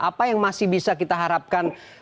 apa yang masih bisa kita harapkan